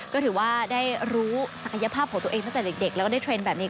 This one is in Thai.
ก็ถือว่าได้รู้ศักยภาพของตัวเองตั้งแต่เด็ก